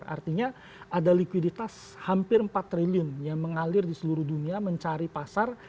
artinya ada likuiditas hampir empat triliun yang mengalir di seluruh dunia mencari pasar